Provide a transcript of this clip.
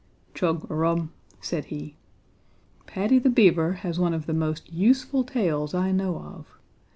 "Chug a rum!" said he. "Paddy the Beaver has one of the most useful tails I know of.